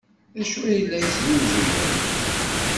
D acu ay la snuzuyent?